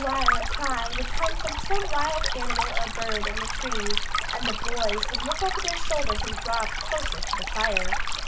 Once in awhile a cry would come from some wild animal or bird in the trees, and the boys would look over their shoulders and draw up closer to the fire.